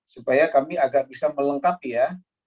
supaya kami agak bisa melengkapi ya